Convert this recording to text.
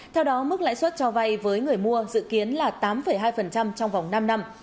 theo đó mức lãi suất cho vay với người mua dự kiến là tám hai trong vòng năm năm